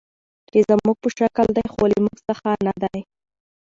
چې زموږ په شکل دي، خو له موږ څخه نه دي.